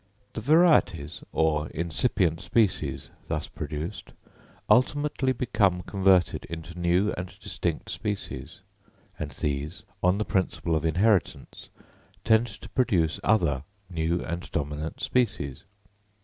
The varieties, or incipient species, thus produced, ultimately become converted into new and distinct species; and these, on the principle of inheritance, tend to produce other new and dominant species.